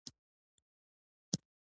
خرما د شاتو سره یوځای ډېر مقوي خواړه جوړوي.